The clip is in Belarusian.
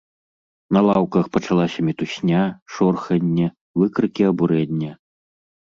На лаўках пачалася мітусня, шорханне, выкрыкі абурэння.